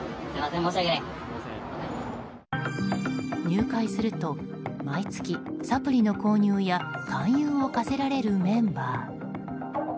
入会すると毎月サプリの購入や勧誘を課せられるメンバー。